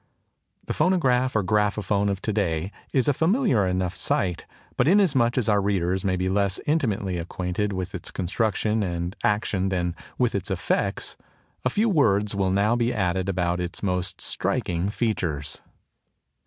The phonograph or graphophone of to day is a familiar enough sight; but inasmuch as our readers may be less intimately acquainted with its construction and action than with its effects, a few words will now be added about its most striking features.